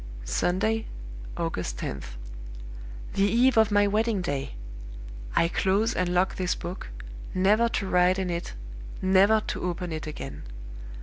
"Sunday, August 10th. The eve of my wedding day! I close and lock this book, never to write in it, never to open it again.